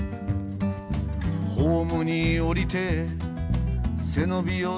「ホームに降りて背伸びをすれば」